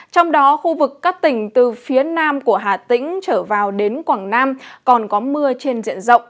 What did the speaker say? trong đó khu vực các tỉnh từ phía nam của hà tĩnh trở vào đến quảng nam còn có mưa trên diện rộng